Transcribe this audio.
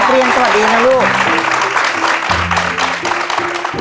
เรียนสวัสดีนะลูก